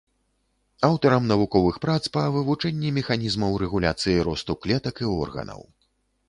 Аўтарам навуковых прац па вывучэнні механізмаў рэгуляцыі росту клетак і органаў.